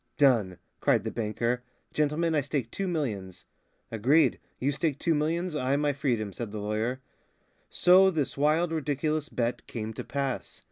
Done!" cried the banker. "Gentlemen, I stake two millions." "Agreed. You stake two millions, I my freedom," said the lawyer. So this wild, ridiculous bet came to pass.